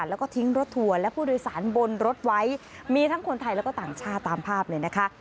แล้วก็ทิ้งรถทัวร์และผู้โดยสารบนรถไว้มีทั้งคนไทยแล้วก็ต่างชาติตามภาพเลยนะคะ